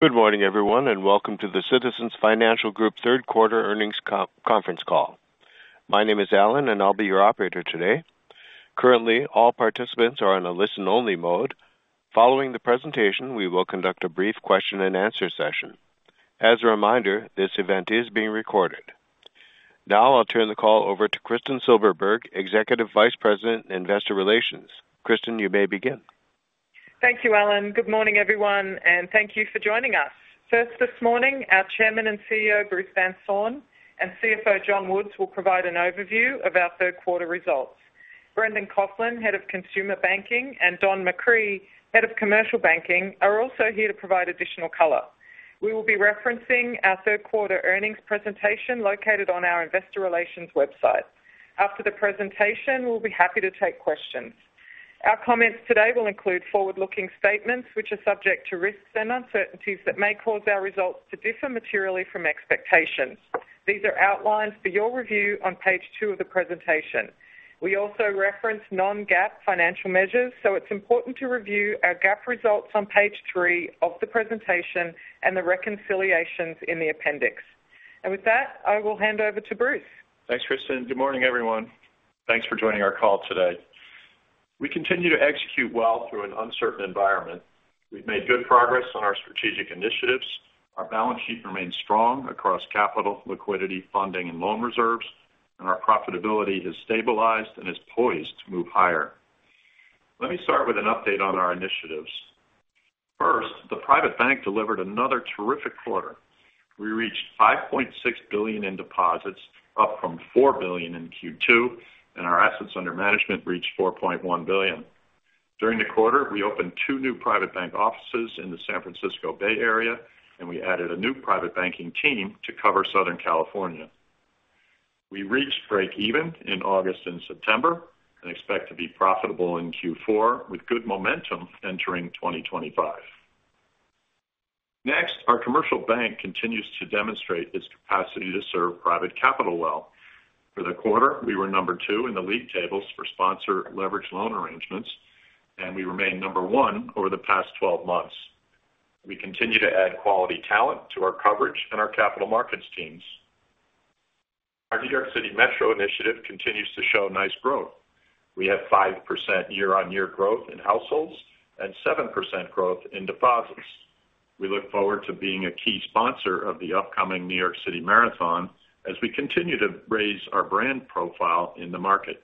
Good morning, everyone, and welcome to the Citizens Financial Group third quarter earnings conference call. My name is Alan, and I'll be your operator today. Currently, all participants are on a listen-only mode. Following the presentation, we will conduct a brief question-and-answer session. As a reminder, this event is being recorded. Now I'll turn the call over to Kristin Silberberg, Executive Vice President, Investor Relations. Kristin, you may begin. Thank you, Alan. Good morning, everyone, and thank you for joining us. First, this morning, our Chairman and CEO, Bruce Van Saun, and CFO, John Woods, will provide an overview of our third quarter results. Brendan Coughlin, Head of Consumer Banking, and Don McCree, Head of Commercial Banking, are also here to provide additional color. We will be referencing our third quarter earnings presentation located on our investor relations website. After the presentation, we'll be happy to take questions. Our comments today will include forward-looking statements, which are subject to risks and uncertainties that may cause our results to differ materially from expectations. These are outlined for your review on page two of the presentation. We also reference non-GAAP financial measures, so it's important to review our GAAP results on page three of the presentation and the reconciliations in the appendix. With that, I will hand over to Bruce. Thanks, Kristin. Good morning, everyone. Thanks for joining our call today. We continue to execute well through an uncertain environment. We've made good progress on our strategic initiatives. Our balance sheet remains strong across capital, liquidity, funding, and loan reserves, and our profitability has stabilized and is poised to move higher. Let me start with an update on our initiatives. First, the private bank delivered another terrific quarter. We reached $5.6 billion in deposits, up from $4 billion in Q2, and our assets under management reached $4.1 billion. During the quarter, we opened two new private bank offices in the San Francisco Bay Area, and we added a new private banking team to cover Southern California. We reached breakeven in August and September and expect to be profitable in Q4, with good momentum entering 2025. Next, our commercial bank continues to demonstrate its capacity to serve private capital well. For the quarter, we were number two in the league tables for sponsor leveraged loan arrangements, and we remain number one over the past twelve months. We continue to add quality talent to our coverage and our capital markets teams. Our New York Metro initiative continues to show nice growth. We have 5% year-on-year growth in households and 7% growth in deposits. We look forward to being a key sponsor of the upcoming New York City Marathon as we continue to raise our brand profile in the market.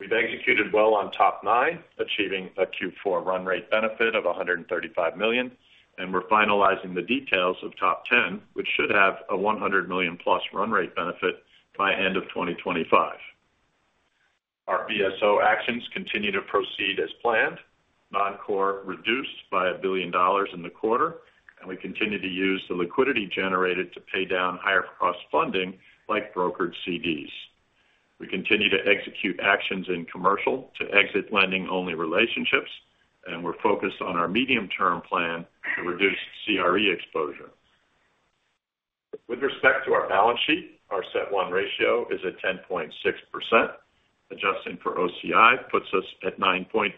We've executed well on TOP 9, achieving a Q4 run rate benefit of $135 million, and we're finalizing the details of TOP 10, which should have a $100 million-plus run rate benefit by end of 2025. Our BSO actions continue to proceed as planned. Non-core reduced by $1 billion in the quarter, and we continue to use the liquidity generated to pay down higher cross-funding, like brokered CDs. We continue to execute actions in commercial to exit lending-only relationships, and we're focused on our medium-term plan to reduce CRE exposure. With respect to our balance sheet, our CET1 ratio is at 10.6%. Adjusting for OCI puts us at 9.2%.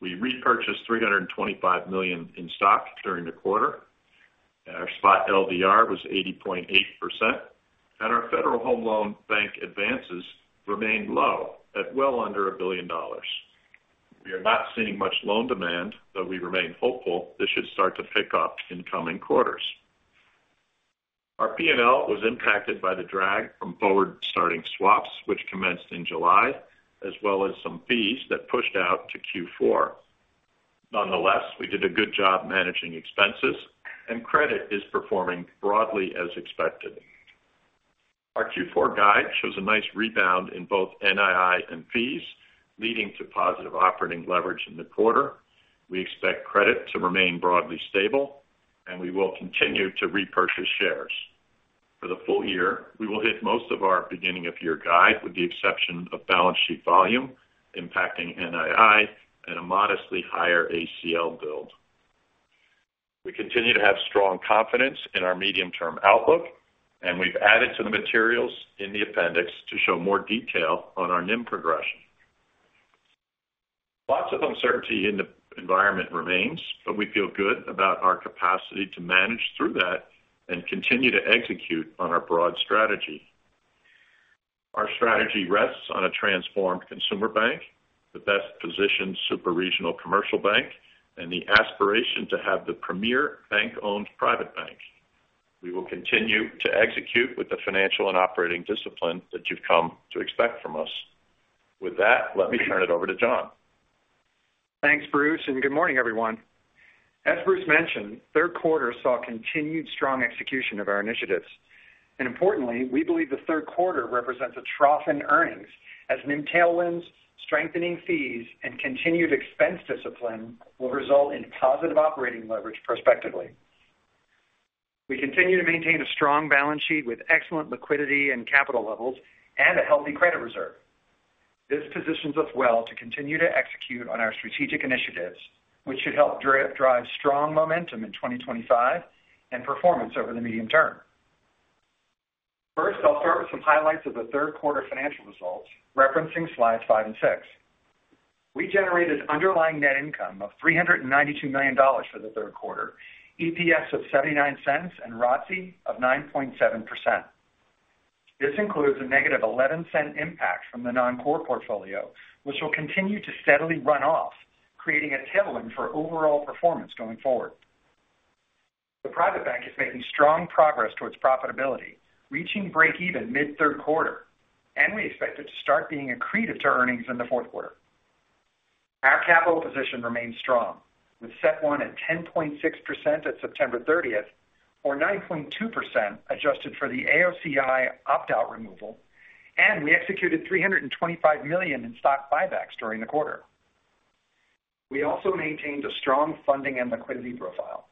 We repurchased $325 million in stock during the quarter, and our spot LDR was 80.8%, and our Federal Home Loan Bank advances remained low at well under $1 billion. We are not seeing much loan demand, though we remain hopeful this should start to pick up in coming quarters. Our P&L was impacted by the drag from forward starting swaps, which commenced in July, as well as some fees that pushed out to Q4. Nonetheless, we did a good job managing expenses, and credit is performing broadly as expected. Our Q4 guide shows a nice rebound in both NII and fees, leading to positive operating leverage in the quarter. We expect credit to remain broadly stable, and we will continue to repurchase shares. For the full year, we will hit most of our beginning of year guide, with the exception of balance sheet volume impacting NII and a modestly higher ACL build. We continue to have strong confidence in our medium-term outlook, and we've added to the materials in the appendix to show more detail on our NIM progression. Lots of uncertainty in the environment remains, but we feel good about our capacity to manage through that and continue to execute on our broad strategy. Our strategy rests on a transformed consumer bank, the best-positioned superregional commercial bank, and the aspiration to have the premier bank-owned private bank. We will continue to execute with the financial and operating discipline that you've come to expect from us. With that, let me turn it over to John. Thanks, Bruce, and good morning, everyone. As Bruce mentioned, third quarter saw continued strong execution of our initiatives, and importantly, we believe the third quarter represents a trough in earnings as NIM tailwinds, strengthening fees, and continued expense discipline will result in positive operating leverage prospectively. We continue to maintain a strong balance sheet with excellent liquidity and capital levels and a healthy credit reserve. This positions us well to continue to execute on our strategic initiatives, which should help drive strong momentum in 2025 and performance over the medium term... Some highlights of the third quarter financial results, referencing slides 5 and 6. We generated underlying net income of $392 million for the third quarter, EPS of $0.79 and ROTCE of 9.7%. This includes a negative 11-cent impact from the non-core portfolio, which will continue to steadily run off, creating a tailwind for overall performance going forward. The private bank is making strong progress towards profitability, reaching breakeven mid third quarter, and we expect it to start being accretive to earnings in the fourth quarter. Our capital position remains strong, with CET1 at 10.6% at September 30 or 9.2% adjusted for the AOCI opt-out removal, and we executed $325 million in stock buybacks during the quarter. We also maintained a strong funding and liquidity profile.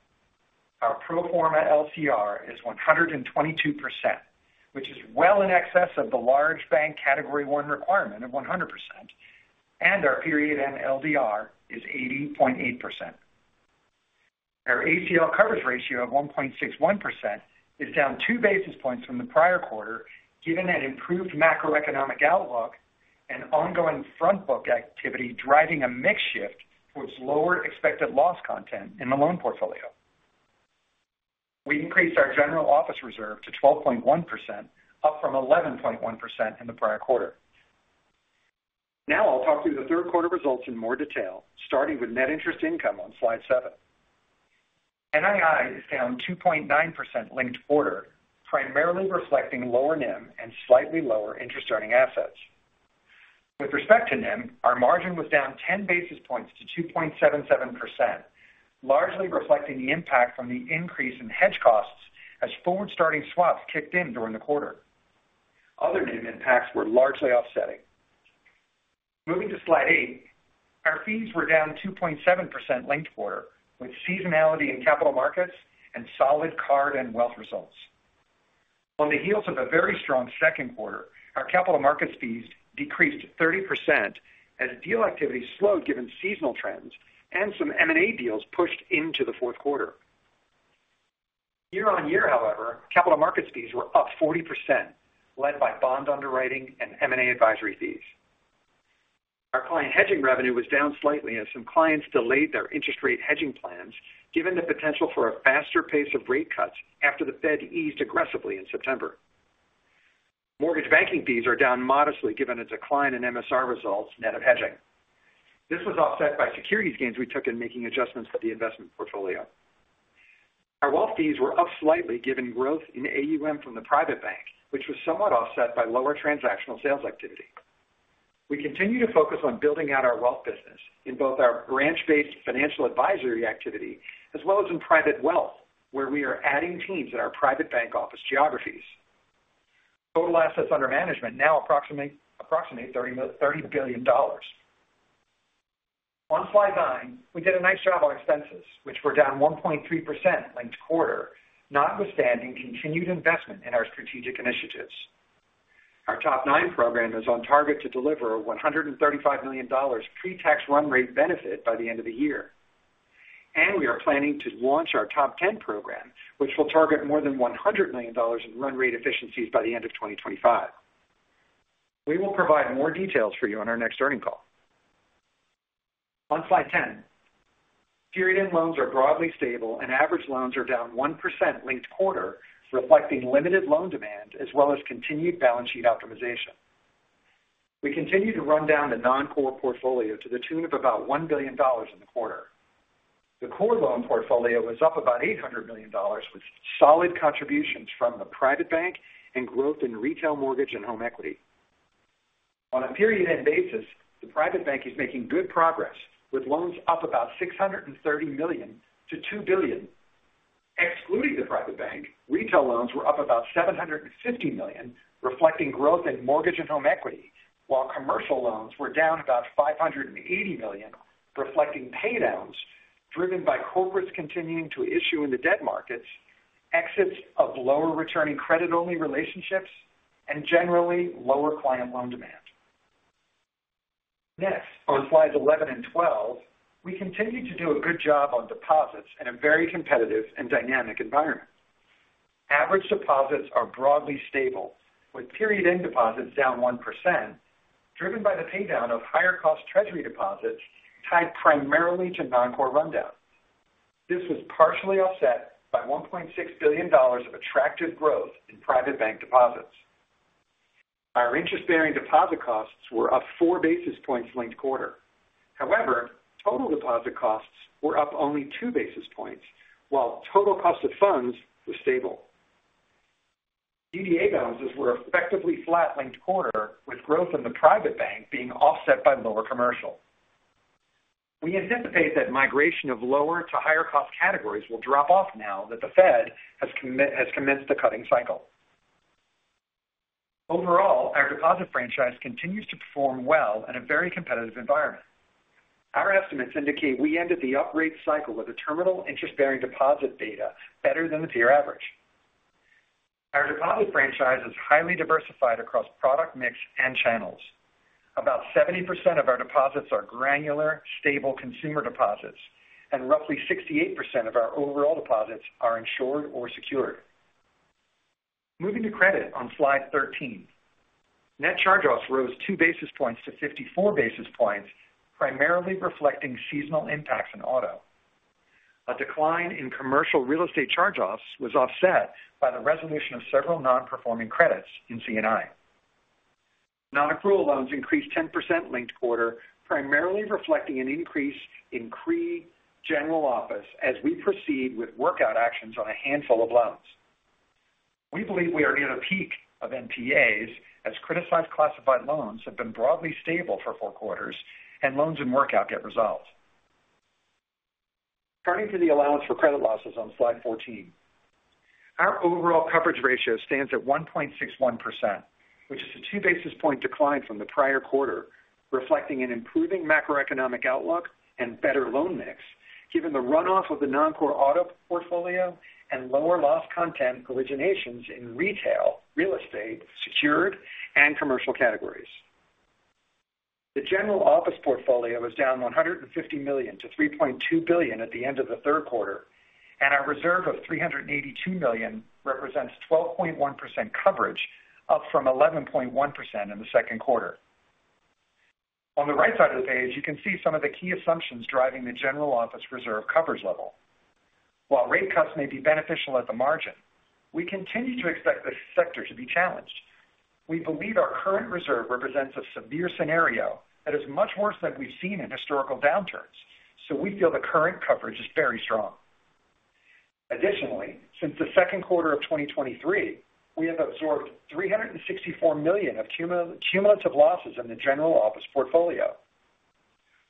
Our pro forma LCR is 122%, which is well in excess of the large bank Category I requirement of 100%, and our period-end LDR is 80.8%. Our ACL coverage ratio of 1.61% is down two basis points from the prior quarter, given an improved macroeconomic outlook and ongoing front book activity, driving a mix shift towards lower expected loss content in the loan portfolio. We increased our general office reserve to 12.1%, up from 11.1% in the prior quarter. Now I'll talk through the third quarter results in more detail, starting with net interest income on slide seven. NII is down 2.9% linked quarter, primarily reflecting lower NIM and slightly lower interest earning assets. With respect to NIM, our margin was down ten basis points to 2.77%, largely reflecting the impact from the increase in hedge costs as forward starting swaps kicked in during the quarter. Other NIM impacts were largely offsetting. Moving to slide eight. Our fees were down 2.7% linked quarter, with seasonality in capital markets and solid card and wealth results. On the heels of a very strong second quarter, our capital markets fees decreased 30% as deal activity slowed given seasonal trends and some M&A deals pushed into the fourth quarter. Year on year, however, capital markets fees were up 40%, led by bond underwriting and M&A advisory fees. Our client hedging revenue was down slightly as some clients delayed their interest rate hedging plans, given the potential for a faster pace of rate cuts after the Fed eased aggressively in September. Mortgage banking fees are down modestly given a decline in MSR results net of hedging. This was offset by securities gains we took in making adjustments to the investment portfolio. Our wealth fees were up slightly given growth in AUM from the private bank, which was somewhat offset by lower transactional sales activity. We continue to focus on building out our wealth business in both our branch-based financial advisory activity as well as in private wealth, where we are adding teams in our private bank office geographies. Total assets under management now approximate $30 billion. On slide 9, we did a nice job on expenses, which were down 1.3% linked quarter, notwithstanding continued investment in our strategic initiatives. Our TOP 9 program is on target to deliver $135 million pre-tax run rate benefit by the end of the year. And we are planning to launch our TOP 10 program, which will target more than $100 million in run rate efficiencies by the end of 2025. We will provide more details for you on our next earnings call. On slide ten, period-end loans are broadly stable and average loans are down 1% linked-quarter, reflecting limited loan demand as well as continued balance sheet optimization. We continue to run down the non-core portfolio to the tune of about $1 billion in the quarter. The core loan portfolio was up about $800 million, with solid contributions from the private bank and growth in retail mortgage and home equity. On a period-end basis, the private bank is making good progress, with loans up about $630 million to $2 billion. Excluding the private bank, retail loans were up about $750 million, reflecting growth in mortgage and home equity, while commercial loans were down about $580 million, reflecting paydowns driven by corporates continuing to issue in the debt markets, exits of lower returning credit only relationships and generally lower client loan demand. Next, on slides 11 and 12, we continued to do a good job on deposits in a very competitive and dynamic environment. Average deposits are broadly stable, with period end deposits down 1%, driven by the paydown of higher cost treasury deposits tied primarily to non-core rundowns. This was partially offset by $1.6 billion of attractive growth in private bank deposits. Our interest-bearing deposit costs were up four basis points linked quarter. However, total deposit costs were up only two basis points, while total cost of funds was stable. DDA balances were effectively flat linked quarter, with growth in the private bank being offset by lower commercial. We anticipate that migration of lower to higher cost categories will drop off now that the Fed has commenced the cutting cycle. Overall, our deposit franchise continues to perform well in a very competitive environment. Our estimates indicate we ended the uprate cycle with a terminal interest-bearing deposit beta better than the peer average. Our deposit franchise is highly diversified across product mix and channels. About 70% of our deposits are granular, stable consumer deposits, and roughly 68% of our overall deposits are insured or secured. Moving to credit on slide 13. Net charge-offs rose two basis points to fifty-four basis points, primarily reflecting seasonal impacts in auto. A decline in commercial real estate charge-offs was offset by the resolution of several non-performing credits in C&I. Non-accrual loans increased 10% linked quarter, primarily reflecting an increase in CRE general office as we proceed with workout actions on a handful of loans. We believe we are near the peak of NPAs, as criticized classified loans have been broadly stable for four quarters and loans and workout get resolved. Turning to the allowance for credit losses on slide 14. Our overall coverage ratio stands at 1.61%, which is a two basis points decline from the prior quarter, reflecting an improving macroeconomic outlook and better loan mix, given the runoff of the non-core auto portfolio and lower loss content originations in retail, real estate, secured and commercial categories. The general office portfolio was down $150 million to $3.2 billion at the end of the third quarter, and our reserve of $382 million represents 12.1% coverage, up from 11.1% in the second quarter. On the right side of the page, you can see some of the key assumptions driving the general office reserve coverage level. While rate cuts may be beneficial at the margin, we continue to expect this sector to be challenged. We believe our current reserve represents a severe scenario that is much worse than we've seen in historical downturns, so we feel the current coverage is very strong. Additionally, since the second quarter of 2023, we have absorbed $364 million of cumulative losses in the general office portfolio.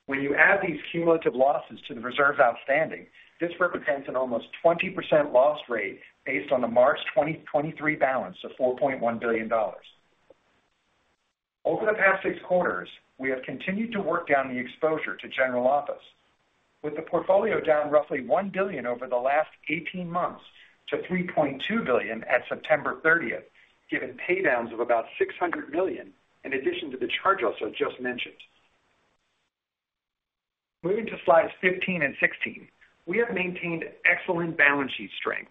When you add these cumulative losses to the reserves outstanding, this represents an almost 20% loss rate based on the March 2023 balance of $4.1 billion. Over the past six quarters, we have continued to work down the exposure to general office, with the portfolio down roughly $1 billion over the last 18 months to $3.2 billion at September 30th, given paydowns of about $600 million in addition to the charge-offs I just mentioned. Moving to slides 15 and 16. We have maintained excellent balance sheet strength.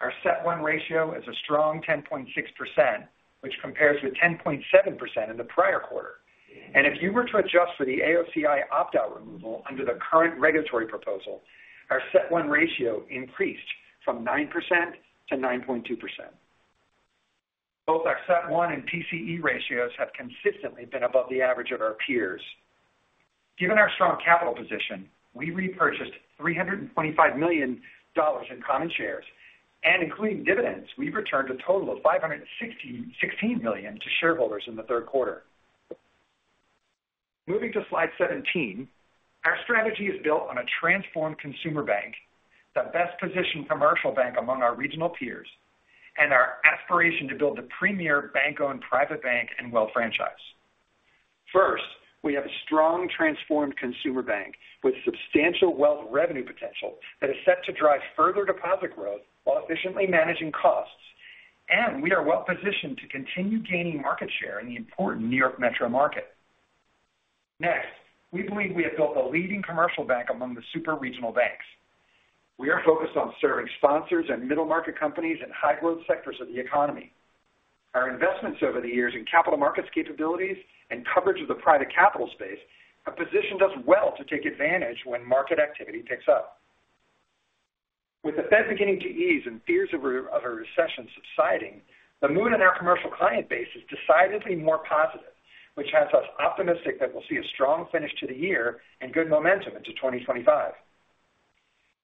Our CET1 ratio is a strong 10.6%, which compares with 10.7% in the prior quarter, and if you were to adjust for the AOCI opt-out removal under the current regulatory proposal, our CET1 ratio increased from 9% to 9.2%. Both our CET1 and TCE ratios have consistently been above the average of our peers. Given our strong capital position, we repurchased $325 million in common shares, and including dividends, we returned a total of $566 million to shareholders in the third quarter. Moving to slide 17. Our strategy is built on a transformed consumer bank, the best-positioned commercial bank among our regional peers, and our aspiration to build a premier bank-owned private bank and wealth franchise. First, we have a strong transformed consumer bank with substantial wealth revenue potential that is set to drive further deposit growth while efficiently managing costs. And we are well positioned to continue gaining market share in the important New York Metro market. Next, we believe we have built a leading commercial bank among the super-regional banks. We are focused on serving sponsors and middle-market companies in high-growth sectors of the economy. Our investments over the years in capital markets capabilities and coverage of the private capital space have positioned us well to take advantage when market activity picks up. With the Fed beginning to ease and fears of a recession subsiding, the mood in our commercial client base is decidedly more positive, which has us optimistic that we'll see a strong finish to the year and good momentum into 2025,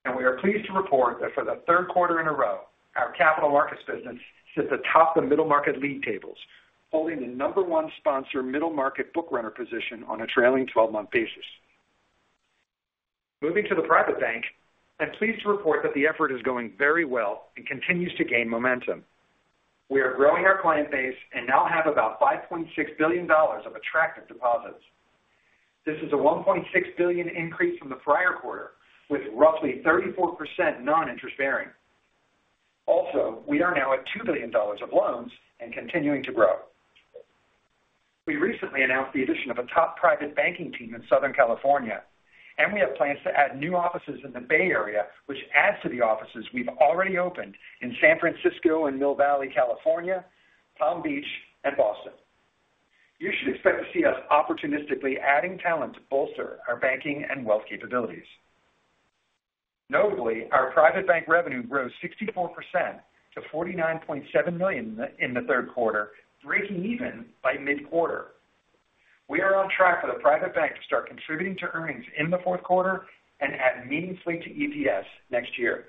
and we are pleased to report that for the third quarter in a row, our capital markets business sits atop the middle market league tables, holding the number one sponsor middle market book runner position on a trailing twelve-month basis. Moving to the private bank, I'm pleased to report that the effort is going very well and continues to gain momentum. We are growing our client base and now have about $5.6 billion of attractive deposits. This is a $1.6 billion increase from the prior quarter, with roughly 34% non-interest bearing. Also, we are now at $2 billion of loans and continuing to grow. We recently announced the addition of a top private banking team in Southern California, and we have plans to add new offices in the Bay Area, which adds to the offices we've already opened in San Francisco and Mill Valley, California, Palm Beach, and Boston. You should expect to see us opportunistically adding talent to bolster our banking and wealth capabilities. Notably, our private bank revenue grew 64% to $49.7 million in the third quarter, breaking even by mid-quarter. We are on track for the private bank to start contributing to earnings in the fourth quarter and add meaningfully to EPS next year.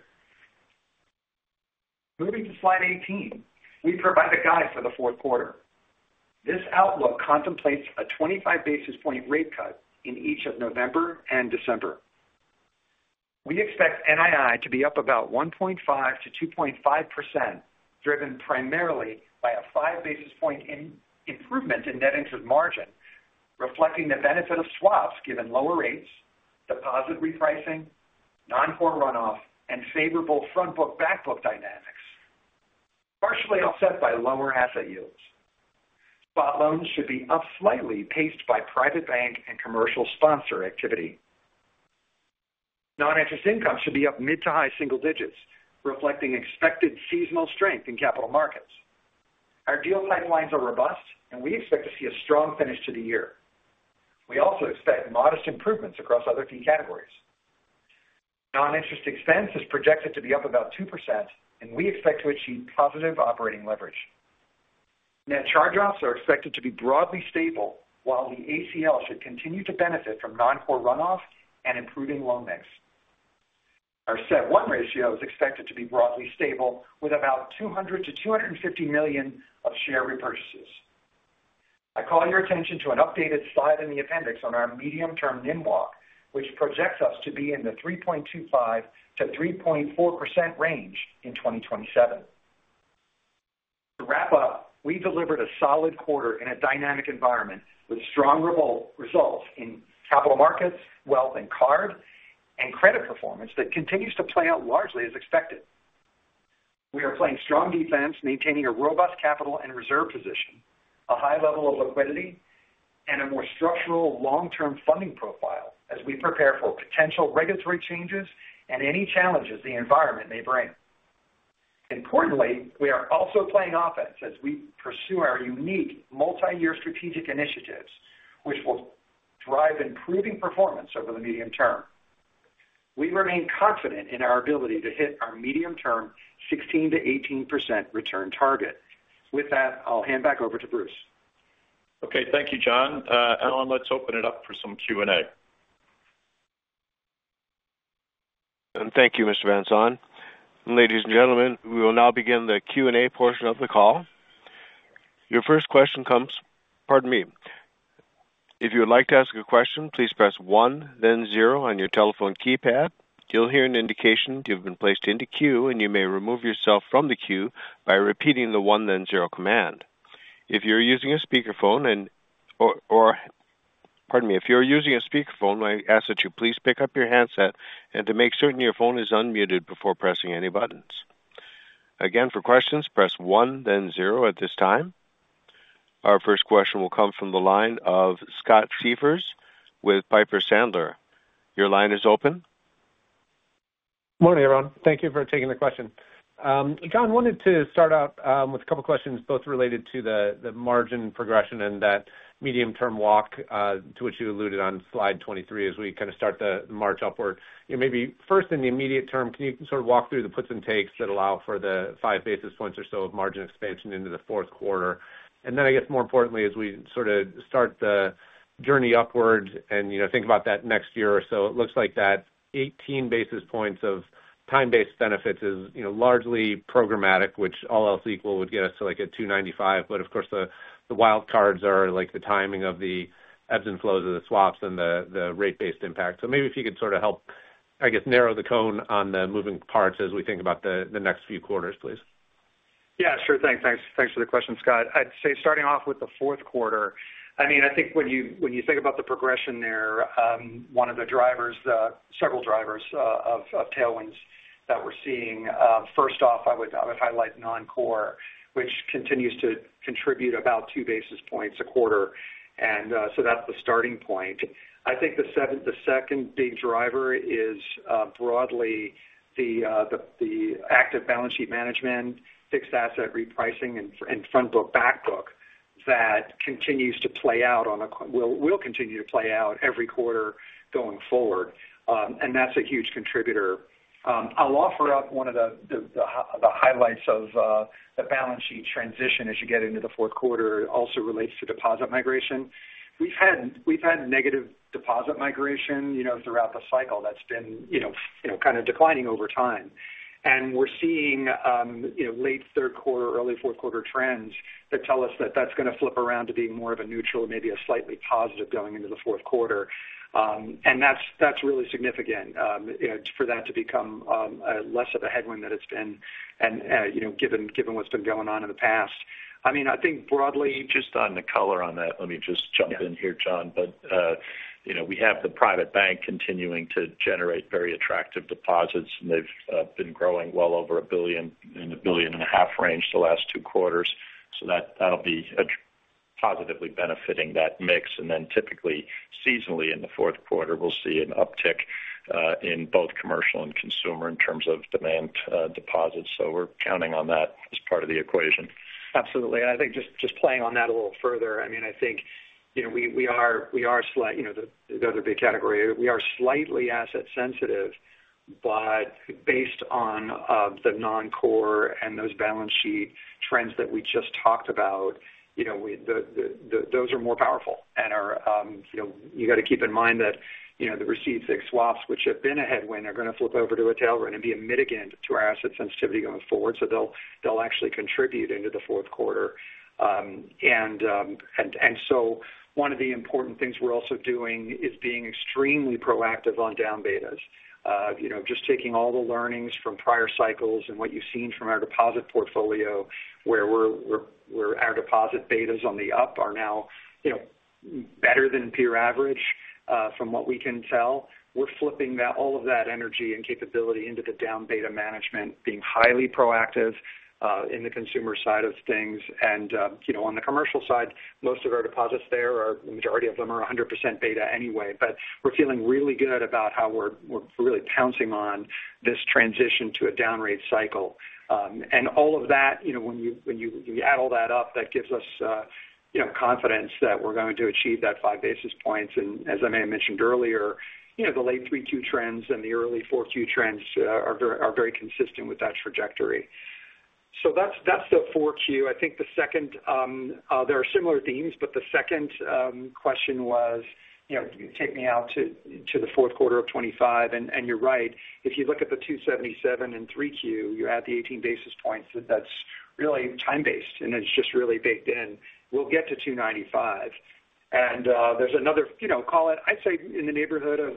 Moving to slide 18. We provide a guide for the fourth quarter. This outlook contemplates a 25 basis point rate cut in each of November and December. We expect NII to be up about 1.5%-2.5%, driven primarily by a 5 basis point improvement in net interest margin, reflecting the benefit of swaps given lower rates, deposit repricing, non-core runoff, and favorable front book, back book dynamics, partially offset by lower asset yields. Spot loans should be up slightly, paced by private bank and commercial sponsor activity. Non-interest income should be up mid to high single digits, reflecting expected seasonal strength in capital markets. Our deal pipelines are robust, and we expect to see a strong finish to the year. We also expect modest improvements across other key categories. Non-interest expense is projected to be up about 2%, and we expect to achieve positive operating leverage. Net charge-offs are expected to be broadly stable, while the ACL should continue to benefit from non-core runoff and improving loan mix. Our CET1 ratio is expected to be broadly stable, with about $200 million-$250 million of share repurchases. I call your attention to an updated slide in the appendix on our medium-term NIM walk, which projects us to be in the 3.25%-3.4% range in 2027. To wrap up, we delivered a solid quarter in a dynamic environment with strong results in capital markets, wealth and card, and credit performance that continues to play out largely as expected. We are playing strong defense, maintaining a robust capital and reserve position, a high level of liquidity, and a more structural long-term funding profile as we prepare for potential regulatory changes and any challenges the environment may bring. Importantly, we are also playing offense as we pursue our unique multi-year strategic initiatives, which will drive improving performance over the medium term. We remain confident in our ability to hit our medium-term 16%-18% return target. With that, I'll hand back over to Bruce. Okay. Thank you, John. Alan, let's open it up for some Q&A. Thank you, Mr. Van Saun. Ladies and gentlemen, we will now begin the Q&A portion of the call. Your first question comes - pardon me. If you would like to ask a question, please press one, then zero on your telephone keypad. You'll hear an indication you've been placed into queue, and you may remove yourself from the queue by repeating the one, then zero command. If you're using a speakerphone and/or, pardon me, if you're using a speakerphone, I ask that you please pick up your handset and to make certain your phone is unmuted before pressing any buttons. Again, for questions, press one, then zero at this time. Our first question will come from the line of Scott Siefers with Piper Sandler. Your line is open. Morning, everyone. Thank you for taking the question. John, wanted to start off with a couple of questions, both related to the margin progression and that medium-term walk to which you alluded on slide 23, as we kind of start the march upward. You know, maybe first, in the immediate term, can you sort of walk through the puts and takes that allow for the five basis points or so of margin expansion into the fourth quarter? And then, I guess, more importantly, as we sort of start the journey upward and, you know, think about that next year or so, it looks like that eighteen basis points of time-based benefits is, you know, largely programmatic, which all else equal, would get us to, like, a two ninety-five. But of course, the wild cards are like the timing of the ebbs and flows of the swaps and the rate-based impact. So maybe if you could sort of help, I guess, narrow the cone on the moving parts as we think about the next few quarters, please. Yeah, sure. Thanks. Thanks. Thanks for the question, Scott. I'd say starting off with the fourth quarter. I mean, I think when you think about the progression there, one of the drivers, several drivers, of tailwinds that we're seeing, first off, I would highlight non-core, which continues to contribute about two basis points a quarter, and so that's the starting point. I think the second big driver is, broadly the active balance sheet management, fixed asset repricing, and front book, back book that continues to play out will, will continue to play out every quarter going forward, and that's a huge contributor. I'll offer up one of the highlights of the balance sheet transition as you get into the fourth quarter. It also relates to deposit migration. We've had negative deposit migration, you know, throughout the cycle that's been you know kind of declining over time. And we're seeing you know late third quarter, early fourth quarter trends that tell us that that's going to flip around to being more of a neutral, maybe a slightly positive going into the fourth quarter. And that's really significant, you know, for that to become less of a headwind than it's been and you know given what's been going on in the past. I mean, I think broadly- Just on the color on that, let me just jump in here, John. Yeah. But you know, we have the private bank continuing to generate very attractive deposits, and they've been growing well over a billion, in a billion and a half range the last two quarters. So that, that'll be positively benefiting that mix. And then typically, seasonally, in the fourth quarter, we'll see an uptick in both commercial and consumer in terms of demand deposits. So we're counting on that as part of the equation. Absolutely. And I think just playing on that a little further, I mean, I think, you know, we are slightly asset sensitive, but based on the non-core and those balance sheet trends that we just talked about, you know, the other big category. Those are more powerful and are, you know, you got to keep in mind that, you know, the receive-fixed swaps, which have been a headwind, are going to flip over to a tailwind and be a mitigant to our asset sensitivity going forward. So they'll actually contribute into the fourth quarter. And so one of the important things we're also doing is being extremely proactive on down betas. You know, just taking all the learnings from prior cycles and what you've seen from our deposit portfolio, where deposit betas on the up are now, you know, better than peer average, from what we can tell. We're flipping that, all of that energy and capability into the down beta management, being highly proactive in the consumer side of things. You know, on the commercial side, most of our deposits there, the majority of them are 100% beta anyway. But we're feeling really good about how we're really pouncing on this transition to a down rate cycle. And all of that, you know, when you add all that up, that gives us, you know, confidence that we're going to achieve that five basis points. And as I may have mentioned earlier, you know, the late 3Q trends and the early 4Q trends are very consistent with that trajectory. So that's the 4Q. I think the second question was, you know, take me out to the fourth quarter of 2025, and you're right. If you look at the 277 in 3Q, you add the 18 basis points, that's really time-based, and it's just really baked in. We'll get to 295. And there's another, you know, call it, I'd say in the neighborhood of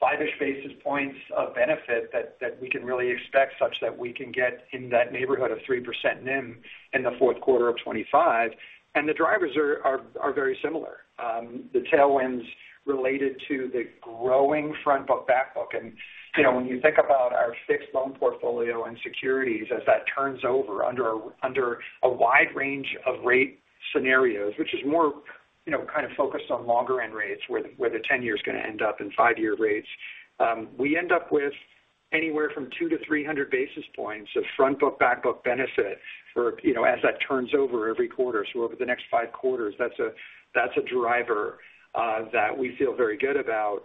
five-ish basis points of benefit that we can really expect, such that we can get in that neighborhood of 3% NIM in the fourth quarter of 2025. And the drivers are very similar. The tailwinds related to the growing front book, back book. And, you know, when you think about our fixed loan portfolio and securities, as that turns over under a wide range of rate scenarios, which is more, you know, kind of focused on longer end rates, where the ten-year is going to end up in five-year rates. We end up with anywhere from 200-300 basis points of front book, back book benefit for, you know, as that turns over every quarter. So over the next five quarters, that's a driver that we feel very good about.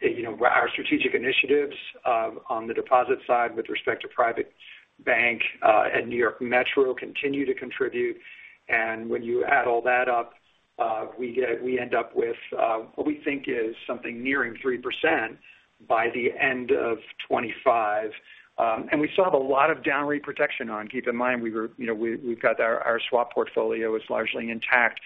You know, our strategic initiatives on the deposit side with respect to private bank and New York Metro continue to contribute. And when you add all that up, we get, we end up with what we think is something nearing 3% by the end of 2025. And we still have a lot of down rate protection on. Keep in mind, you know, we've got our swap portfolio is largely intact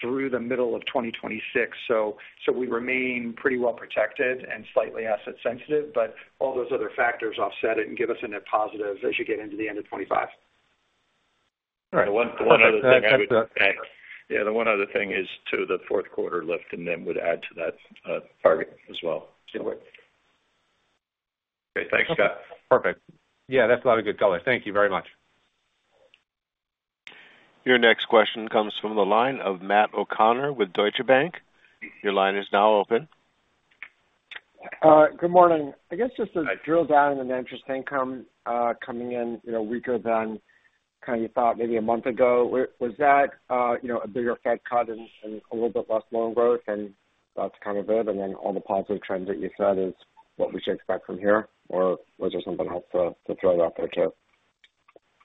through the middle of 2026. So we remain pretty well protected and slightly asset sensitive, but all those other factors offset it and give us a net positive as you get into the end of 2025. All right. The one, the one other thing I would add. Yeah, the one other thing is to the fourth quarter lift, and then would add to that, target as well. Okay, thanks, Scott. Perfect. Yeah, that's a lot of good color. Thank you very much. Your next question comes from the line of Matt O'Connor with Deutsche Bank. Your line is now open. Good morning. I guess just to drill down on the net interest income, coming in, you know, weaker than kind of you thought maybe a month ago. Was that, you know, a bigger Fed cut and, and a little bit less loan growth, and that's kind of it, and then all the positive trends that you said is what we should expect from here? Or was there something else to, to throw it out there, too?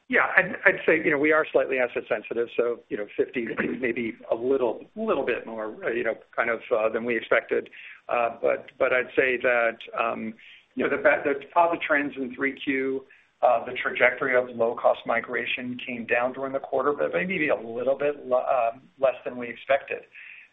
Yeah, I'd say, you know, we are slightly asset sensitive, so, you know, 50 may be a little bit more, you know, kind of, than we expected. But I'd say that, you know, the positive trends in 3Q, the trajectory of low-cost migration came down during the quarter, but maybe a little bit less than we expected.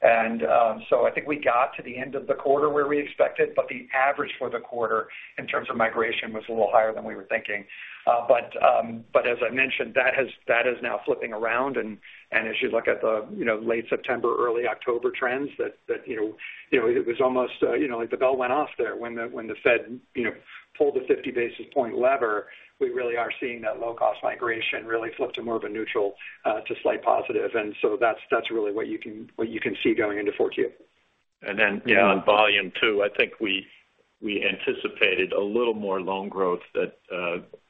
And so I think we got to the end of the quarter where we expected, but the average for the quarter, in terms of migration, was a little higher than we were thinking. But as I mentioned, that is now flipping around, and as you look at the, you know, late September, early October trends, that, you know, it was almost, you know, like the bell went off there. When the Fed, you know, pulled the 50 basis point lever, we really are seeing that low-cost migration really flip to more of a neutral to slight positive. And so that's really what you can see going into 4Q. And then, yeah, on volume two, I think we anticipated a little more loan growth that,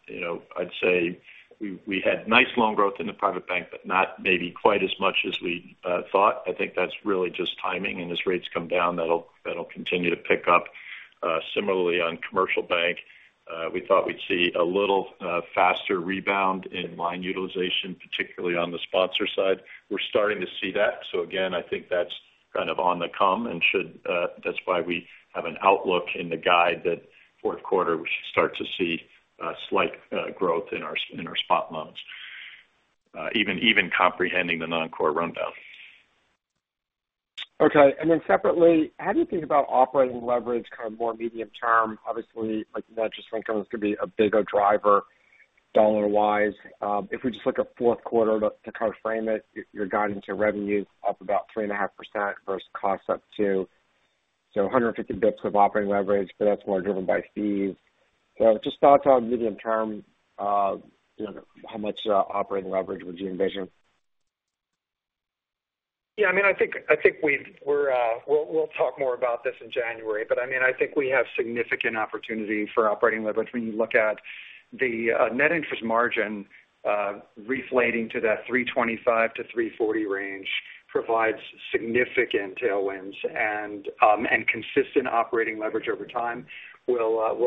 you know, I'd say we had nice loan growth in the private bank, but not maybe quite as much as we thought. I think that's really just timing, and as rates come down, that'll continue to pick up. Similarly on commercial bank, we thought we'd see a little faster rebound in line utilization, particularly on the sponsor side. We're starting to see that. So again, I think that's kind of on the come and should, that's why we have an outlook in the guide that fourth quarter, we should start to see a slight growth in our spot loans, even comprehending the non-core rundown. Okay. And then separately, how do you think about operating leverage, kind of more medium term? Obviously, like net interest income is going to be a bigger driver dollar-wise. If we just look at fourth quarter to kind of frame it, your guidance to revenue up about 3.5% versus costs up to 150 basis points of operating leverage, but that's more driven by fees. So just thoughts on medium term, you know, how much operating leverage would you envision? Yeah, I mean, we'll talk more about this in January, but I mean, I think we have significant opportunity for operating leverage when you look at the net interest margin reflating to that 3.25-3.40 range provides significant tailwinds and consistent operating leverage over time. We'll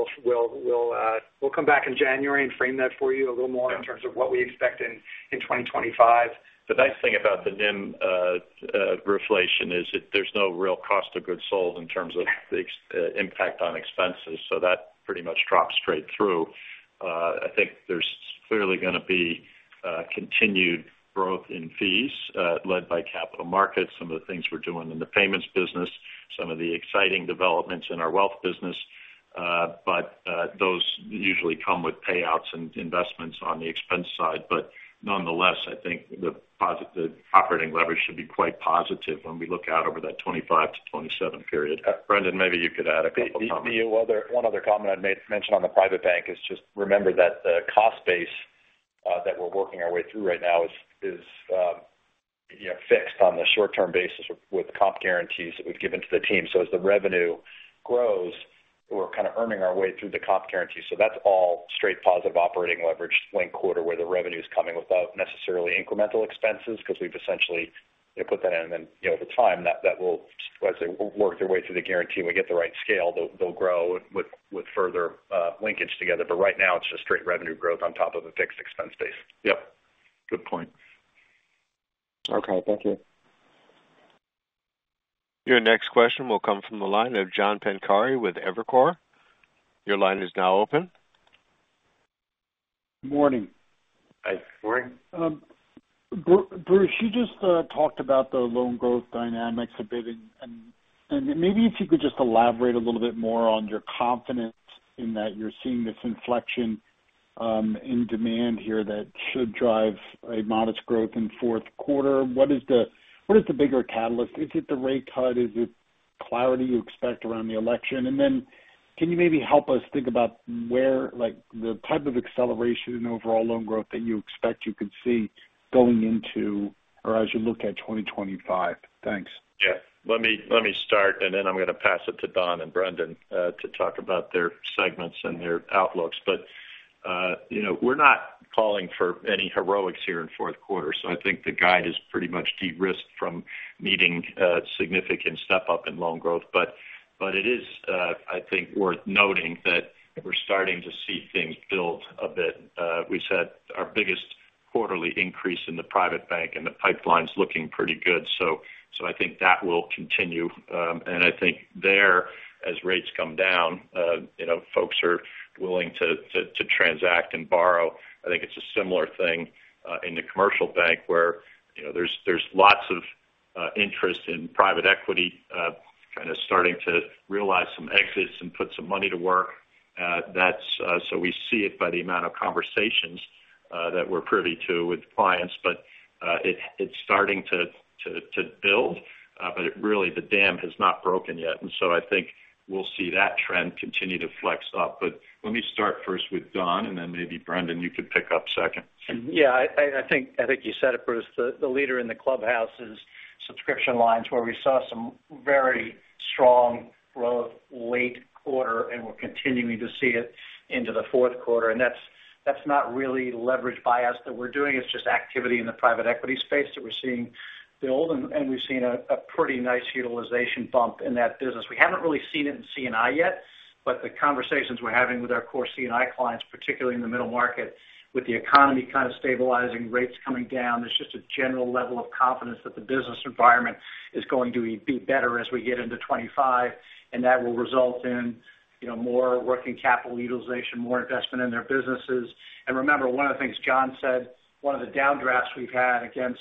come back in January and frame that for you a little more in terms of what we expect in 2025. The nice thing about the NIM reflation is that there's no real cost of goods sold in terms of the expense impact on expenses, so that pretty much drops straight through. I think there's clearly gonna be continued growth in fees, led by capital markets, some of the things we're doing in the payments business, some of the exciting developments in our wealth business, but those usually come with payouts and investments on the expense side. But nonetheless, I think the positive, the operating leverage should be quite positive when we look out over that 2025 to 2027 period. Brendan, maybe you could add a couple comments. One other comment I'd make mention on the private bank is just remember that the cost base that we're working our way through right now is, you know, fixed on the short-term basis with comp guarantees that we've given to the team. So as the revenue grows, we're kind of earning our way through the comp guarantees. So that's all straight positive operating leverage linked quarter, where the revenue is coming without necessarily incremental expenses, because we've essentially, you know, put that in. And then, you know, over time, that will, as I say, work their way through the guarantee. When we get the right scale, they'll grow with further linkage together. But right now, it's just straight revenue growth on top of a fixed expense base. Yep. Good point. Okay. Thank you. Your next question will come from the line of John Pankari with Evercore. Your line is now open. Morning. Hi, morning. Bruce, you just talked about the loan growth dynamics a bit, and maybe if you could just elaborate a little bit more on your confidence in that you're seeing this inflection in demand here that should drive a modest growth in fourth quarter. What is the bigger catalyst? Is it the rate cut? Is it clarity you expect around the election? And then can you maybe help us think about where, like, the type of acceleration in overall loan growth that you expect you could see going into or as you look at 2025? Thanks. Yeah. Let me start, and then I'm going to pass it to Don and Brendan to talk about their segments and their outlooks. But you know, we're not calling for any heroics here in fourth quarter, so I think the guide is pretty much de-risked from needing a significant step up in loan growth. But it is, I think, worth noting that we're starting to see things build a bit. We've had our biggest quarterly increase in the private bank, and the pipeline's looking pretty good. So I think that will continue. And I think there, as rates come down, you know, folks are willing to transact and borrow. I think it's a similar thing in the commercial bank, where, you know, there's lots of interest in private equity kind of starting to realize some exits and put some money to work. That's so we see it by the amount of conversations that we're privy to with clients, but it's starting to build, but really the dam has not broken yet. And so I think we'll see that trend continue to flex up. But let me start first with Don, and then maybe Brendan, you could pick up second. Yeah, I think you said it, Bruce. The leader in the clubhouse is subscription lines, where we saw some very strong growth late quarter, and we're continuing to see it into the fourth quarter. And that's not really leverage by us that we're doing. It's just activity in the private equity space that we're seeing build, and we've seen a pretty nice utilization bump in that business. We haven't really seen it in C&I yet, but the conversations we're having with our core C&I clients, particularly in the middle market, with the economy kind of stabilizing, rates coming down, there's just a general level of confidence that the business environment is going to be better as we get into 25, and that will result in, you know, more working capital utilization, more investment in their businesses. Remember, one of the things John said, one of the downdrafts we've had against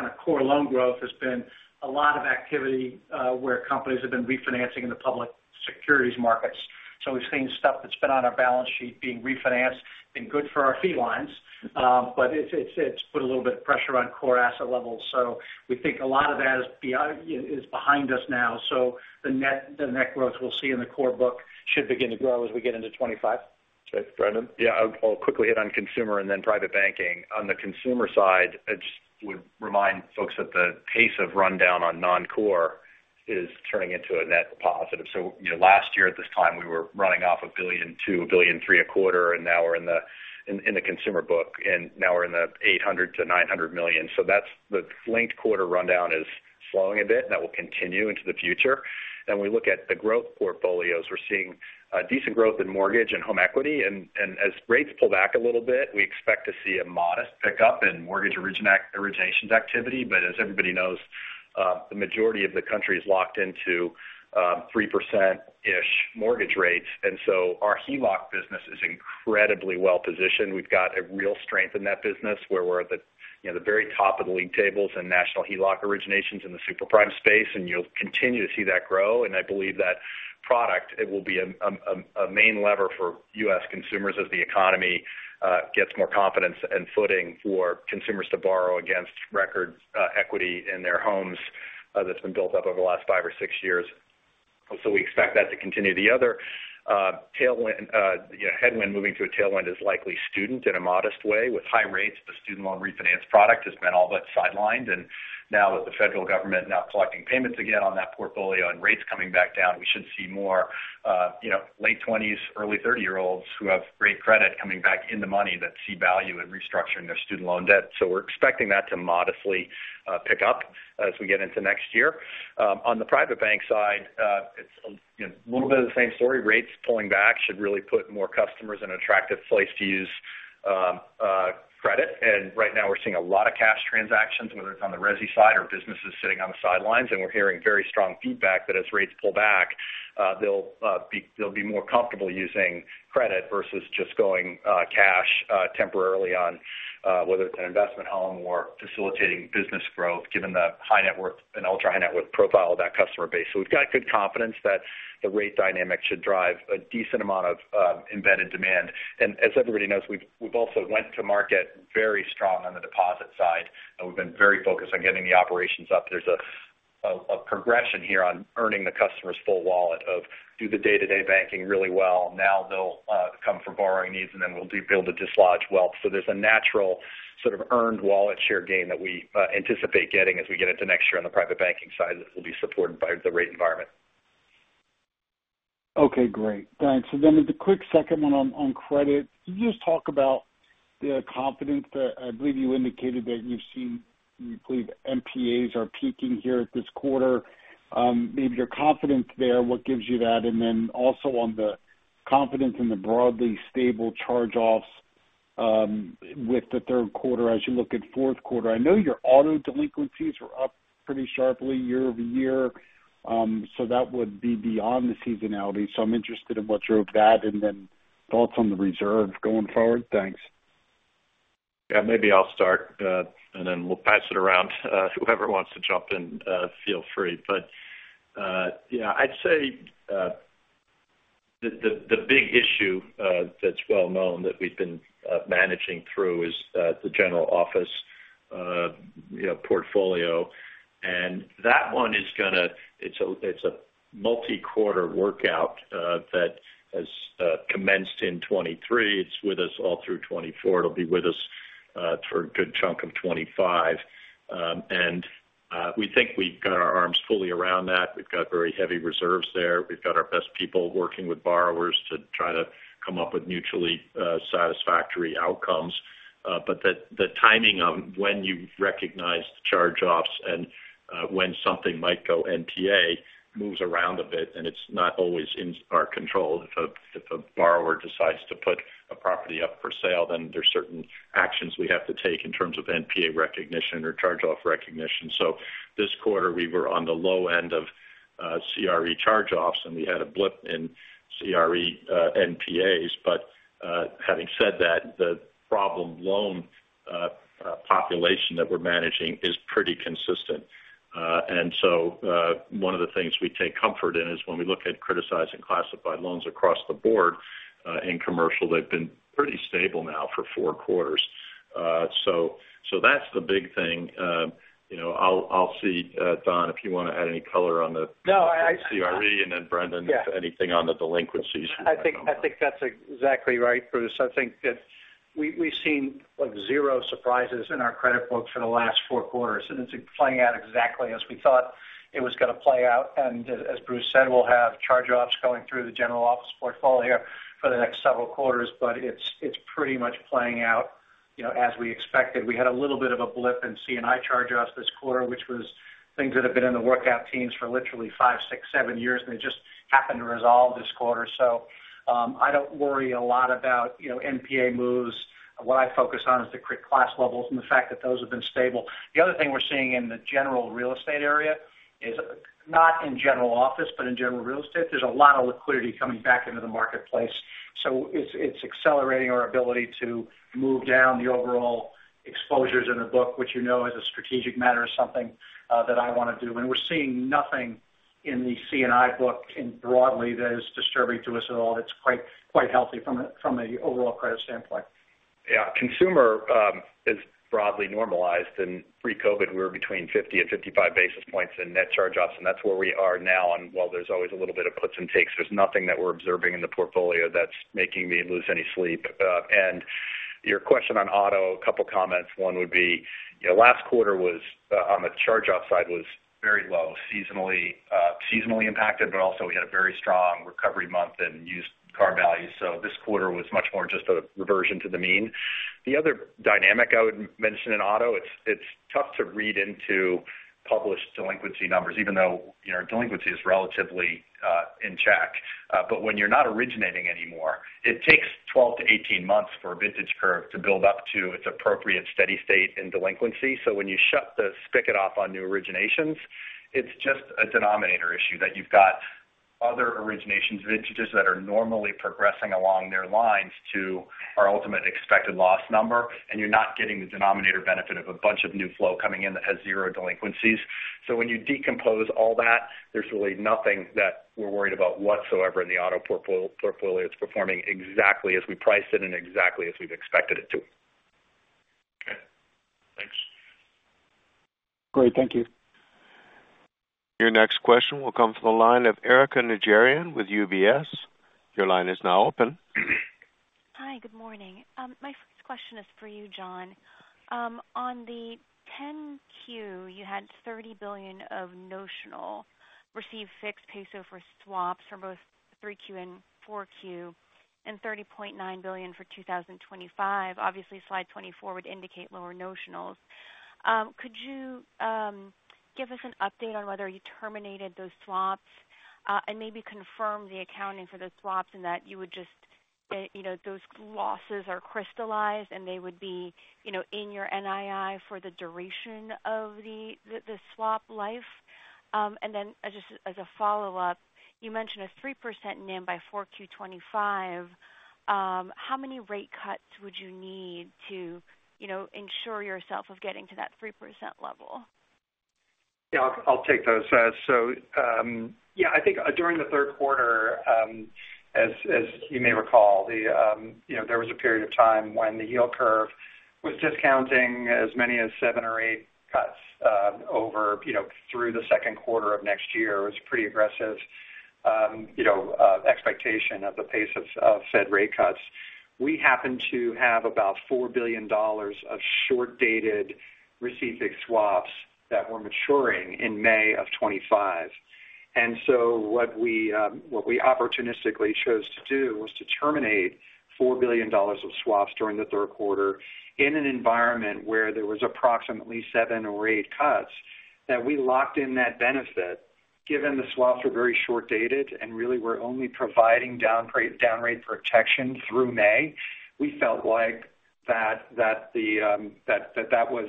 kind of core loan growth has been a lot of activity where companies have been refinancing in the public securities markets. So we've seen stuff that's been on our balance sheet being refinanced and good for our fee lines, but it's put a little bit of pressure on core asset levels. So we think a lot of that is behind us now, you know. So the net growth we'll see in the core book should begin to grow as we get into 2025. Okay. Brendan? Yeah. I'll quickly hit on consumer and then private banking. On the consumer side, I just would remind folks that the pace of rundown on non-core is turning into a net positive. So, you know, last year at this time, we were running off $1.2 billion-$1.3 billion a quarter, and now we're in the consumer book, and now we're in the $800 million-$900 million. So that's the linked quarter rundown is slowing a bit, and that will continue into the future. Then we look at the growth portfolios. We're seeing decent growth in mortgage and home equity, and as rates pull back a little bit, we expect to see a modest pickup in mortgage originations activity. But as everybody knows, the majority of the country is locked into 3%-ish mortgage rates. Our HELOC business is incredibly well positioned. We've got a real strength in that business, where we're at the, you know, the very top of the league tables and national HELOC originations in the super prime space, and you'll continue to see that grow. I believe that product, it will be a main lever for U.S. consumers as the economy gets more confidence and footing for consumers to borrow against record equity in their homes that's been built up over the last five or six years. We expect that to continue. The other tailwind, you know, headwind moving to a tailwind is likely student in a modest way. With high rates, the student loan refinance product has been all but sidelined. Now that the federal government collecting payments again on that portfolio and rates coming back down, we should see more, you know, late twenties, early thirty-year-olds who have great credit coming back into money that see value in restructuring their student loan debt. We're expecting that to modestly pick up as we get into next year. On the private bank side, it's, you know, a little bit of the same story. Rates pulling back should really put more customers in an attractive place to use credit. Right now, we're seeing a lot of cash transactions, whether it's on the resi side or businesses sitting on the sidelines. And we're hearing very strong feedback that as rates pull back, they'll be more comfortable using credit versus just going cash temporarily on whether it's an investment home or facilitating business growth, given the high net worth and ultra-high net worth profile of that customer base. So we've got good confidence that the rate dynamic should drive a decent amount of embedded demand. And as everybody knows, we've also went to market very strong on the deposit side, and we've been very focused on getting the operations up. There's a- ... a progression here on earning the customer's full wallet by doing the day-to-day banking really well. Now they'll come for borrowing needs, and then we'll be able to dislodge wealth. So there's a natural sort of earned wallet share gain that we anticipate getting as we get into next year on the private banking side, that will be supported by the rate environment. Okay, great. Thanks. And then the quick second one on credit. Can you just talk about the confidence that I believe you indicated that you've seen, you believe NPAs are peaking here at this quarter? Maybe your confidence there, what gives you that? And then also on the confidence in the broadly stable charge-offs, with the third quarter as you look at fourth quarter. I know your auto delinquencies are up pretty sharply year over year, so that would be beyond the seasonality. So I'm interested in what drove that and then thoughts on the reserve going forward. Thanks. Yeah, maybe I'll start, and then we'll pass it around. Whoever wants to jump in, feel free. But, yeah, I'd say, the big issue that's well known that we've been managing through is the general office, you know, portfolio. And that one is gonna, it's a multi-quarter workout that has commenced in 2023. It's with us all through 2024. It'll be with us for a good chunk of 2025. And we think we've got our arms fully around that. We've got very heavy reserves there. We've got our best people working with borrowers to try to come up with mutually satisfactory outcomes. But the timing of when you recognize the charge-offs and when something might go NPA moves around a bit, and it's not always in our control. If a borrower decides to put a property up for sale, then there's certain actions we have to take in terms of NPA recognition or charge-off recognition. So this quarter, we were on the low end of CRE charge-offs, and we had a blip in CRE NPAs. But having said that, the problem loan population that we're managing is pretty consistent. And so one of the things we take comfort in is when we look at criticized classified loans across the board in commercial, they've been pretty stable now for four quarters. So that's the big thing. You know, I'll see, Don, if you want to add any color on the- No, I- CRE, and then Brendan, if anything on the delinquencies. I think that's exactly right, Bruce. I think that we've seen, like, zero surprises in our credit book for the last four quarters, and it's playing out exactly as we thought it was gonna play out, and as Bruce said, we'll have charge-offs going through the general office portfolio for the next several quarters, but it's pretty much playing out, you know, as we expected. We had a little bit of a blip in C&I charge-offs this quarter, which was things that have been in the workout teams for literally five, six, seven years, and they just happened to resolve this quarter, so I don't worry a lot about, you know, NPA moves. What I focus on is the crit class levels and the fact that those have been stable. The other thing we're seeing in the general real estate area is, not in general office, but in general real estate, there's a lot of liquidity coming back into the marketplace. So it's accelerating our ability to move down the overall exposures in the book, which, you know, as a strategic matter, is something that I want to do, and we're seeing nothing in the C&I book or broadly that is disturbing to us at all. It's quite, quite healthy from an overall credit standpoint. Yeah, consumer is broadly normalized, and pre-COVID, we were between fifty and fifty-five basis points in net charge-offs, and that's where we are now. And while there's always a little bit of puts and takes, there's nothing that we're observing in the portfolio that's making me lose any sleep. And your question on auto, a couple of comments. One would be, you know, last quarter was on the charge-off side very low, seasonally impacted, but also we had a very strong recovery month in used car values. So this quarter was much more just a reversion to the mean. The other dynamic I would mention in auto, it's tough to read into published delinquency numbers, even though, you know, delinquency is relatively in check. But when you're not originating anymore, it takes 12 to 18 months for a vintage curve to build up to its appropriate steady state in delinquency. So when you shut the spigot off on new originations, it's just a denominator issue that you've got other originations vintages that are normally progressing along their lines to our ultimate expected loss number, and you're not getting the denominator benefit of a bunch of new flow coming in that has zero delinquencies. So when you decompose all that, there's really nothing that we're worried about whatsoever in the auto portfolio. It's performing exactly as we priced it and exactly as we've expected it to. Okay, thanks. Great. Thank you. Your next question will come from the line of Erika Najarian with UBS. Your line is now open. Hi, good morning. My first question is for you, John. On the 10-Q, you had $30 billion of notional receive-fixed, pay-variable swaps for both 3Q and 4Q, and $30.9 billion for 2025. Obviously, slide 24 would indicate lower notionals. Could you give us an update on whether you terminated those swaps, and maybe confirm the accounting for those swaps and that you would just, you know, those losses are crystallized, and they would be, you know, in your NII for the duration of the swap life? And then just as a follow-up, you mentioned a 3% NIM by 4Q 2025. How many rate cuts would you need to, you know, ensure yourself of getting to that 3% level? Yeah, I'll take those. So, yeah, I think during the third quarter, as you may recall, you know, there was a period of time when the yield curve was discounting as many as seven or eight cuts, over, you know, through the second quarter of next year. It was pretty aggressive.... you know, expectation of the pace of Fed rate cuts. We happen to have about $4 billion of short-dated receive-fixed swaps that were maturing in May 2025. And so what we opportunistically chose to do was to terminate $4 billion of swaps during the third quarter in an environment where there was approximately seven or eight cuts, that we locked in that benefit. Given the swaps were very short-dated and really were only providing down rate protection through May, we felt like that was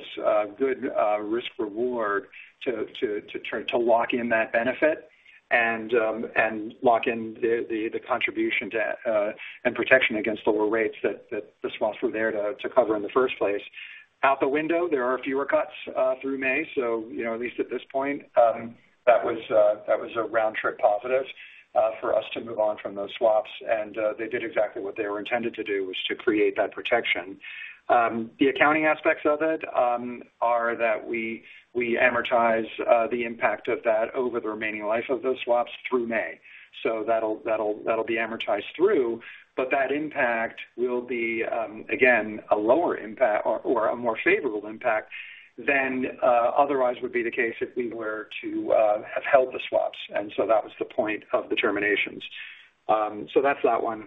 good risk reward to try to lock in that benefit and lock in the contribution to and protection against lower rates that the swaps were there to cover in the first place. Out the window, there are fewer cuts through May, so you know, at least at this point, that was a round trip positive for us to move on from those swaps, and they did exactly what they were intended to do, was to create that protection. The accounting aspects of it are that we amortize the impact of that over the remaining life of those swaps through May. So that'll be amortized through, but that impact will be again a lower impact or a more favorable impact than otherwise would be the case if we were to have held the swaps. And so that was the point of the terminations. So that's that one.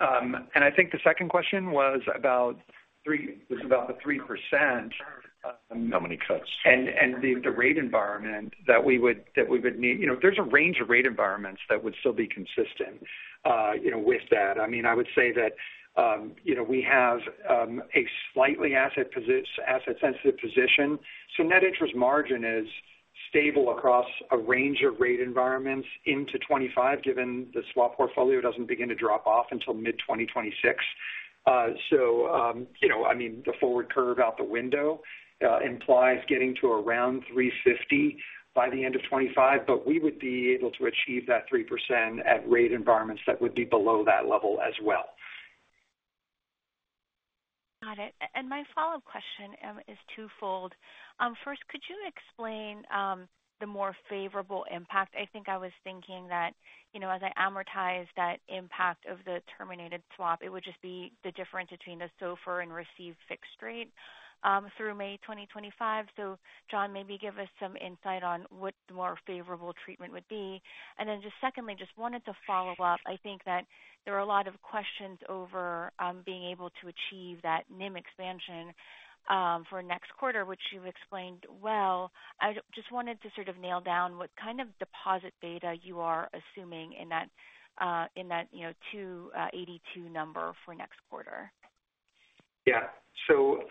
And I think the second question was about the 3%. How many cuts? The rate environment that we would need. You know, there's a range of rate environments that would still be consistent, you know, with that. I mean, I would say that, you know, we have a slightly asset sensitive position. So net interest margin is stable across a range of rate environments into 2025, given the swap portfolio doesn't begin to drop off until mid-2026. So, you know, I mean, the forward curve out the window implies getting to around 3.50 by the end of 2025, but we would be able to achieve that 3% at rate environments that would be below that level as well. Got it. And my follow-up question is twofold. First, could you explain the more favorable impact? I think I was thinking that, you know, as I amortize that impact of the terminated swap, it would just be the difference between the SOFR and received fixed rate through May 2025. So John, maybe give us some insight on what the more favorable treatment would be. And then just secondly, just wanted to follow up. I think that there are a lot of questions over being able to achieve that NIM expansion for next quarter, which you explained well. I just wanted to sort of nail down what kind of deposit beta you are assuming in that, you know, 2.82 number for next quarter. Yeah. So,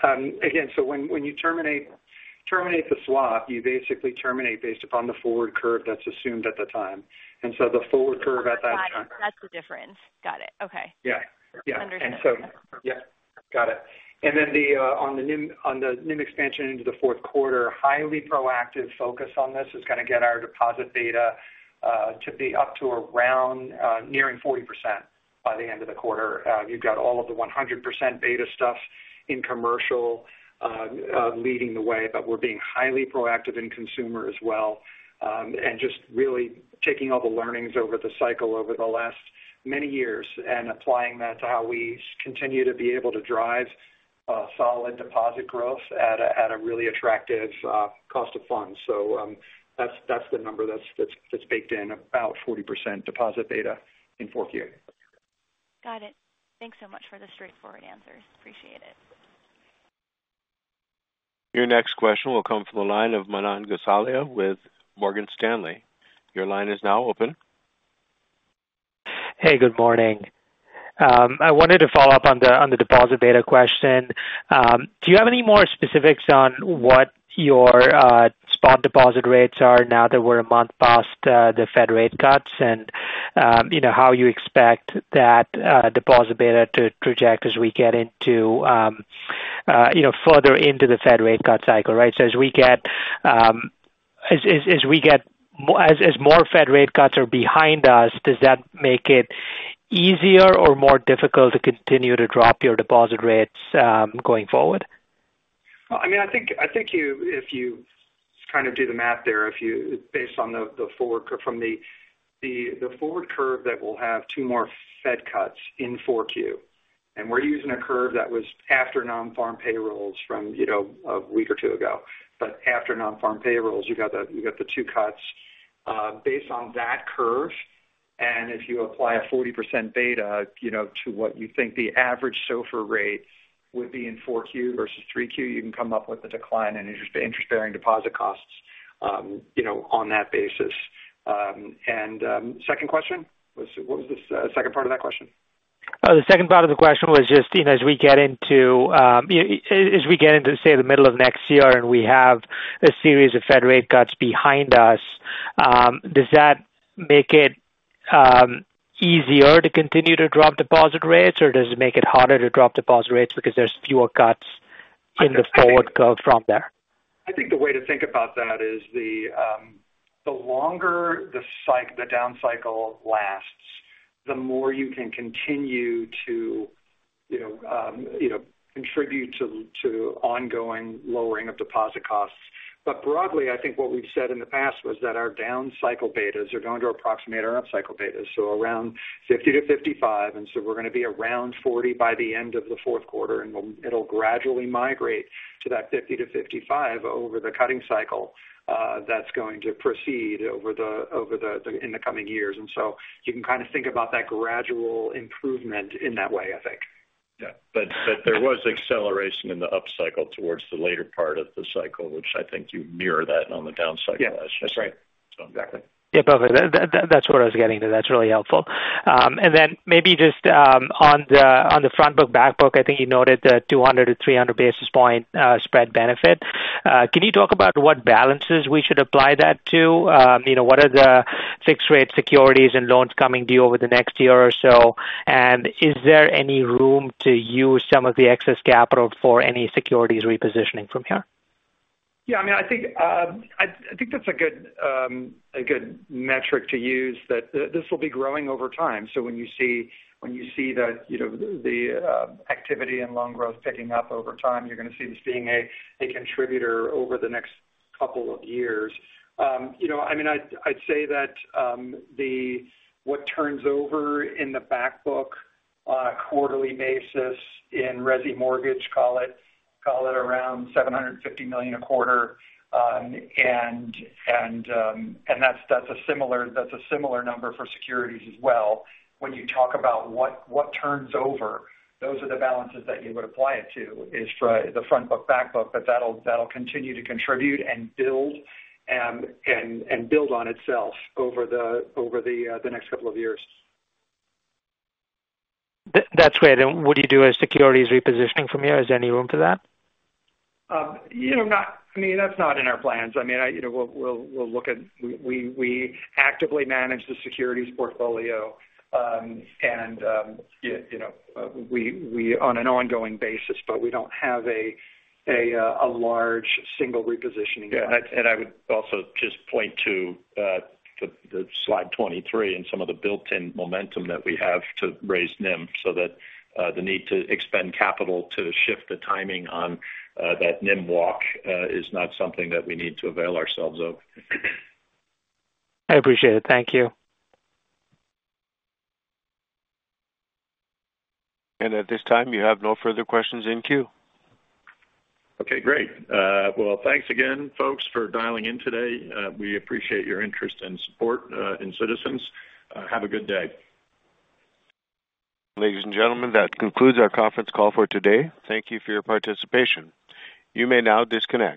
again, so when you terminate the swap, you basically terminate based upon the forward curve that's assumed at the time. And so the forward curve at that time- Got it. That's the difference. Got it. Okay. Yeah. Yeah. Understood. Yeah, got it. Then the on the NIM, on the NIM expansion into the fourth quarter, highly proactive focus on this is gonna get our deposit beta to be up to around nearing 40% by the end of the quarter. You've got all of the 100% beta stuff in commercial leading the way, but we're being highly proactive in consumer as well, and just really taking all the learnings over the cycle over the last many years and applying that to how we continue to be able to drive solid deposit growth at a really attractive cost of funds. So, that's the number that's baked in, about 40% deposit beta in fourth quarter. Got it. Thanks so much for the straightforward answers. Appreciate it. Your next question will come from the line of Manan Gosalia with Morgan Stanley. Your line is now open. Hey, good morning. I wanted to follow up on the deposit beta question. Do you have any more specifics on what your spot deposit rates are now that we're a month past the Fed rate cuts? And you know, how you expect that deposit beta to project as we get into you know, further into the Fed rate cut cycle, right? So as more Fed rate cuts are behind us, does that make it easier or more difficult to continue to drop your deposit rates going forward? I mean, I think if you kind of do the math there based on the forward curve that will have two more Fed cuts in 4Q. And we're using a curve that was after nonfarm payrolls from, you know, a week or two ago. But after nonfarm payrolls, you got the two cuts based on that curve, and if you apply a 40% beta, you know, to what you think the average SOFR rate would be in 4Q versus 3Q, you can come up with a decline in interest-bearing deposit costs, you know, on that basis. Second question? What was the second part of that question? The second part of the question was just, you know, as we get into, say, the middle of next year, and we have a series of Fed rate cuts behind us, does that make it easier to continue to drop deposit rates, or does it make it harder to drop deposit rates because there's fewer cuts in the forward curve from there? I think the way to think about that is the longer the down cycle lasts, the more you can continue to, you know, contribute to ongoing lowering of deposit costs. But broadly, I think what we've said in the past was that our down cycle betas are going to approximate our up cycle betas, so around 50 to 55. And so we're going to be around 40 by the end of the fourth quarter, and it'll gradually migrate to that 50 to 55 over the cutting cycle that's going to proceed in the coming years. And so you can kind of think about that gradual improvement in that way, I think. Yeah. But, but there was acceleration in the up cycle towards the later part of the cycle, which I think you mirror that on the down cycle. Yeah, that's right. Exactly. Yeah, perfect. That's what I was getting to. That's really helpful. And then maybe just on the front book, back book, I think you noted the 200-300 basis points spread benefit. Can you talk about what balances we should apply that to? You know, what are the fixed rate securities and loans coming due over the next year or so? And is there any room to use some of the excess capital for any securities repositioning from here? Yeah, I mean, I think that's a good metric to use, that this will be growing over time. So when you see the, you know, the activity in loan growth picking up over time, you're going to see this being a contributor over the next couple of years. You know, I mean, I'd say that, the what turns over in the back book on a quarterly basis in resi mortgage, call it around $750 million a quarter. And that's a similar number for securities as well. When you talk about what turns over, those are the balances that you would apply it to, is for the front book, back book, but that'll continue to contribute and build, and build on itself over the next couple of years. That's great. Then would you do a securities repositioning from here? Is there any room for that? You know, not, I mean, that's not in our plans. I mean, you know, we'll look at... We actively manage the securities portfolio, and, you know, we on an ongoing basis, but we don't have a large single repositioning. Yeah, and I would also just point to the slide 23 and some of the built-in momentum that we have to raise NIM, so that the need to expend capital to shift the timing on that NIM walk is not something that we need to avail ourselves of. I appreciate it. Thank you. At this time, you have no further questions in queue. Okay, great. Well, thanks again, folks, for dialing in today. We appreciate your interest and support in Citizens. Have a good day. Ladies and gentlemen, that concludes our conference call for today. Thank you for your participation. You may now disconnect.